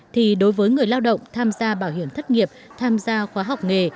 thì đối với người lao động tham gia bảo hiểm thất nghiệp tham gia khóa học nghề